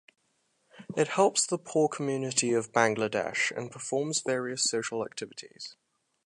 It helps the poor community of Bangladesh and performs various social activities.